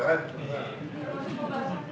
bisa dipakai pak